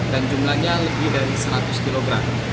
dan jumlahnya lebih dari seratus kilogram